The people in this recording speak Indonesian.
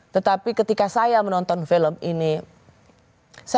tetapi ketika saya menonton film ini saya